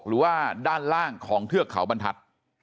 หรือว่าด้านล่างของเทือกเขาบรรทัศน์